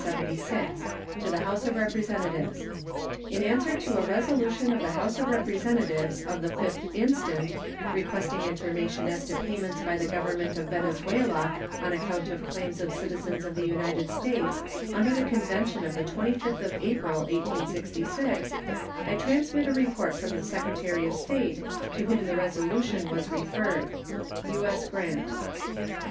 To the House of Representatives: In answer to a resolution of the House of Representatives of the 5th instant, requesting information as to payments by the Government of Venezuela on account of claims of citizens of the United States under the convention of the 25th of April, 1866, I transmit a report from the Secretary of State, to whom the resolution was referred. U.S. GRANT.